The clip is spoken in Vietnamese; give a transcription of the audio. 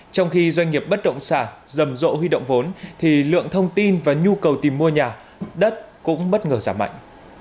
trong khi doanh nghiệp bất động sản rầm rộ huy động vốn thì lượng thông tin và nhu cầu tìm mua nhà đất cũng bất ngờ giảm mạnh